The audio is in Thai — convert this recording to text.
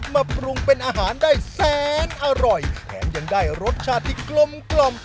มาปรุงเป็นอาหารได้แสนอร่อยแถมยังได้รสชาติที่กลมกล่อม